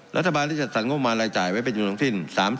รัฐบาลที่จัดสรรค์งบประมาณรายจ่ายไว้เป็นอยู่ตรงที่